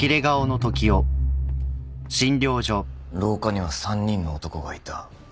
廊下には３人の男がいた。